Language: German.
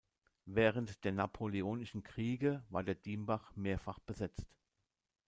Während der Napoleonischen Kriege war der Dimbach mehrfach besetzt.